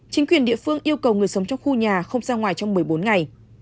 chính quyền địa phương yêu cầu người sống trong khu nhà không ra ngoài trong một mươi bốn ngày